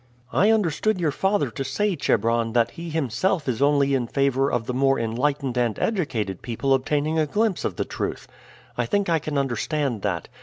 "I understood your father to say, Chebron, that he himself is only in favor of the more enlightened and educated people obtaining a glimpse of the truth. I think I can understand that.